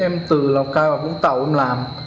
em từ lào cai vào vũng tàu em làm